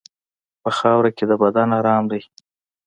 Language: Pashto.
په خاوره کې د بدن ارام دی.